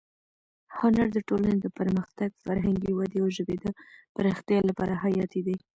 هنر د ټولنې د پرمختګ، فرهنګي ودې او ژبې د پراختیا لپاره حیاتي دی.